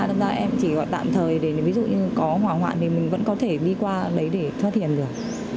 thế nên là em chỉ gọi tạm thời để ví dụ như có hỏa hoạn thì mình vẫn có thể đi qua đấy để thoát hiểm được